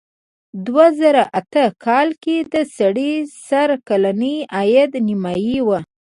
دوه زره اته کال کې د سړي سر کلنی عاید نیمايي و.